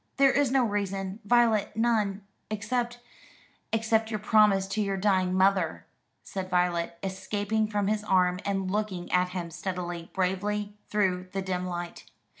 There is no reason, Violet, none except " "Except your promise to your dying mother," said Violet, escaping from his arm, and looking at him steadily, bravely, through the dim light.